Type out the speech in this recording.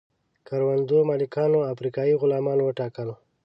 کروندو مالکانو افریقایي غلامان وټاکل.